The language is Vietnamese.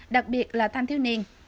đặc biệt là than thiếu niên